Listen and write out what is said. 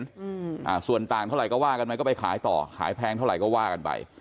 อืมอ่าส่วนต่างเท่าไหร่ก็ว่ากันไหมก็ไปขายต่อขายแพงเท่าไหร่ก็ว่ากันไป